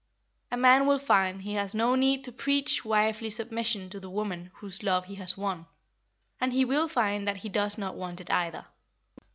A man will find he has no need to preach wifely submission to the woman whose love he has won, and he will find that he does not want it either.